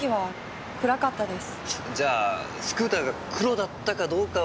じゃあスクーターが黒だったかどうかは。